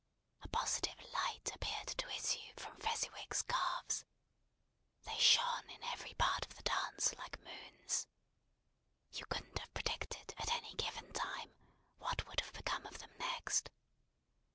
A positive light appeared to issue from Fezziwig's calves. They shone in every part of the dance like moons. You couldn't have predicted, at any given time, what would have become of them next.